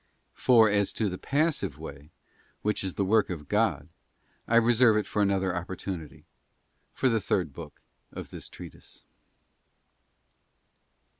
For as to the passive way, which is the work of God, I reserve it for another opportunity —for the third book of this treatise.